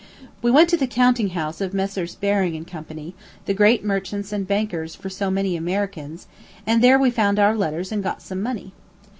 We went to the counting house of Messrs. Baring & Co., the great merchants and bankers for so many Americans, and there we found our letters and got some money.